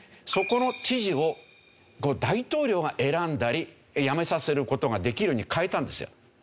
そこの知事を大統領が選んだり辞めさせる事ができるに変えたんですよ。